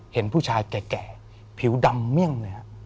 เห็นผู้ชายแก่ผิวดำเมี่ยงเลยฮะ